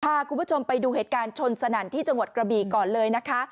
พาคุณผู้ชมไปดูเหตุการณ์ชนสนั่นที่จังหวัดกระบีก่อนเลยนะคะ